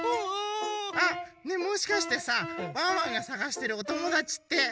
あ！ねえもしかしてさワンワンがさがしてるおともだちって。